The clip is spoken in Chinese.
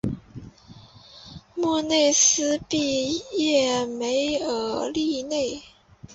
莫内斯蒂耶梅尔利内。